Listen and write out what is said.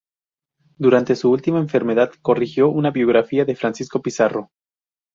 Durante su última enfermedad corrigió una biografía de Francisco Pizarro.